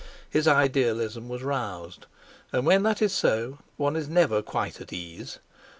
His idealism was roused; and when that is so, one is never quite at ease.